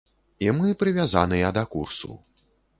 І мы прывязаныя да курсу.